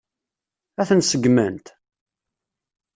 Ad ten-seggment?